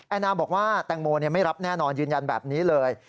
นาบอกว่าแตงโมไม่รับแน่นอนยืนยันแบบนี้เลย